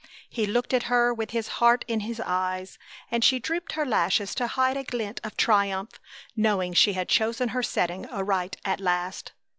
He looked at her with his heart in his eyes, and she drooped her lashes to hide a glint of triumph, knowing she had chosen her setting aright at last.